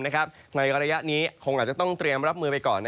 ในระยะนี้คงอาจจะต้องเตรียมรับมือไปก่อน